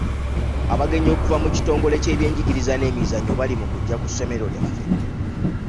Abagenyi okuva mu kitongole ky'ebyenjigiriza n'emizannyo bali mu kujja ku ssomero lyaffe.